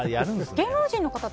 芸能人の方って